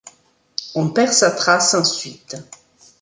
On perd sa trace ensuite.